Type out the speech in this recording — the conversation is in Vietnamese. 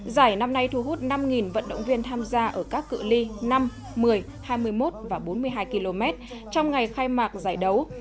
giải năm nay thu hút năm vận động viên tham gia ở các cự li năm một mươi hai mươi một và bốn mươi hai km trong ngày khai mạc giải đấu